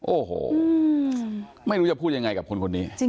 โอ้โหไม่รู้จะพูดยังไงกับคนคนนี้